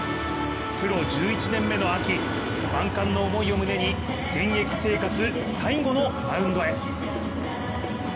プロ１１年目の秋万感の思いを胸に現役生活最後のマウンドへ。